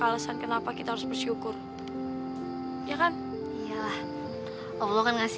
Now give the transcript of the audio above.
lihat papa kamu dia dalam bahaya